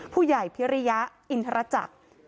ผู้ใหญ่เพรียอินทรัจจักร